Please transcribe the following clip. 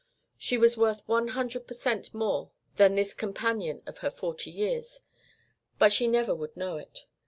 She was worth one hundred per cent. more than this companion of her forty years, but she never would know it.